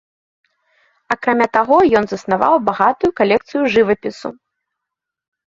Акрамя таго ён заснаваў багатую калекцыю жывапісу.